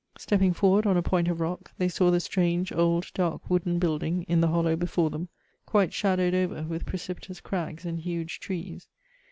Stepping for ward on a point of rock, they saw the strange old, dark wooden building in the hollow before them, quite shadowed over with precipitous crags and huge trees.